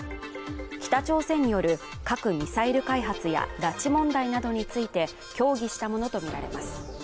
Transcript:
北朝鮮による核・ミサイル開発や拉致問題などについて協議したものとみられます。